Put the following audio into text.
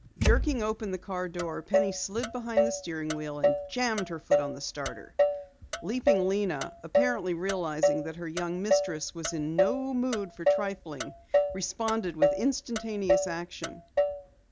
Jerking open the car door, Penny slid behind the steering wheel and jammed her foot on the starter. Leaping Lena, apparently realizing that her young mistress was in no mood for trifling, responded with instantaneous action.